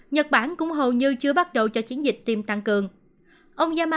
nhật bản cũng hầu như chưa bắt đầu cho chiến dịch tiêm tăng cường yama